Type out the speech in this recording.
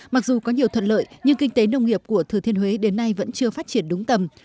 mặc dù có nhiều thuận lợi nhưng kinh tế nông nghiệp của thừa thiên huế đến nay vẫn chưa phát triển đúng tầm